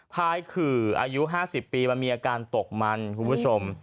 พายขื่ออายุ๕๐ปีมันมีอาการตกมันคุณผู้ชม